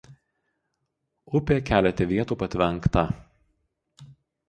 Upė kelete vietų patvenkta.